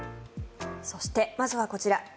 そして、まずはこちら。